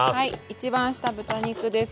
一番下豚肉です。